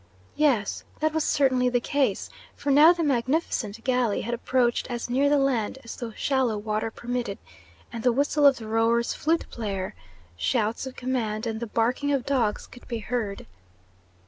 Yes, that was certainly the case; for now the magnificent galley had approached as near the land as the shallow water permitted, and the whistle of the rowers' flute player, shouts of command, and the barking of dogs could be heard.